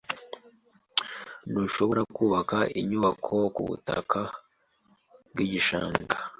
Ntushobora kubaka inyubako kubutaka bwigishanga.